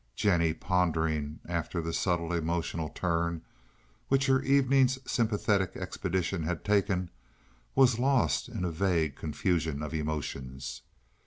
Jennie pondering after the subtle emotional turn which her evening's sympathetic expedition had taken, was lost in a vague confusion of emotions.